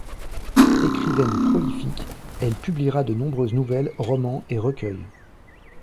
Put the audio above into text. Écrivaine prolifique, elle publiera de nombreuses nouvelles, romans et recueils.